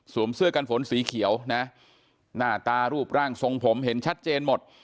เสื้อกันฝนสีเขียวนะหน้าตารูปร่างทรงผมเห็นชัดเจนหมด